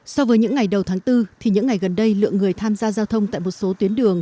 so với những ngày đầu tháng bốn thì những ngày gần đây lượng người tham gia giao thông tại một số tuyến đường